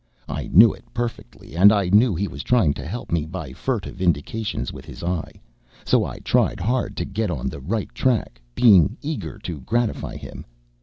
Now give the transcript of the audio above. I knew it perfectly, and I knew he was trying to help me by furtive indications with his eye, so I tried hard to get on the right track, being eager to gratify him.